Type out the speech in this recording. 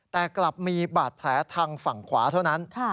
แต่กลับมีบาดแผลทางฝั่งขวาเท่านั้น